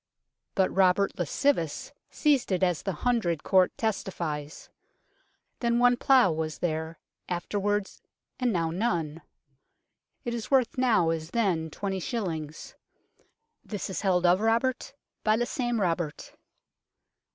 But Robert ' lascivus ' seized it as the Hundred (court) testifies ; then i plough (was there) ; afterwards and now none ; it is worth now as then 20 shillings ; this is held of R[obert] by the same Robert."